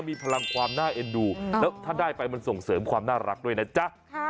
มีพลังความน่าเอ็นดูแล้วถ้าได้ไปมันส่งเสริมความน่ารักด้วยนะจ๊ะ